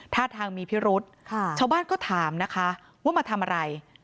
ท่าทางมีพิรุษชาวบ้านก็ถามนะคะว่ามาทำอะไร